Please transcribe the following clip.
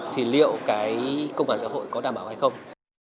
thì liệu cái công phản giả hội có đảm bảo hay không